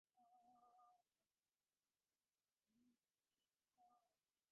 আমি ওইদিন সবেমাত্র, আমার পিয়ানো পরীক্ষায় পাস করেছি।